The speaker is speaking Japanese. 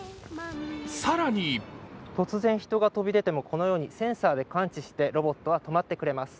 更に突然、人が飛び出てもこのようにセンサーで感知してロボットは止まってくれます。